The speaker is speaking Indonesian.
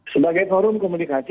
sebagai forum komunikasi